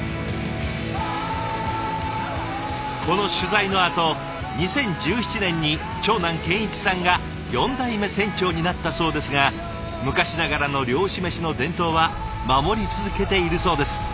この取材のあと２０１７年に長男健一さんが４代目船長になったそうですが昔ながらの漁師メシの伝統は守り続けているそうです。